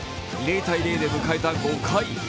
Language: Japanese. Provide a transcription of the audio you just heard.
０−０で迎えた５回。